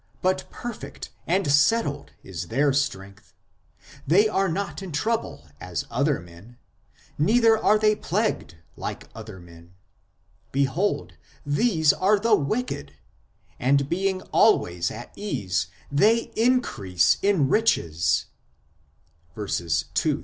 THE DEVELOPMENT OF BELIEF 219 But perfect and settled l is their strength ; They are not in trouble as (other) men, Neither are they plagued like (other) men. ... Behold, these are the wicked, And being always at ease, they increase in riches (verses 2 12).